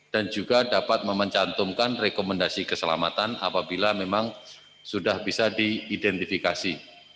dan juga dapat memencantumkan rekomendasi keselamatan apabila memang sudah bisa diidentifikasi